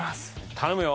頼むよ！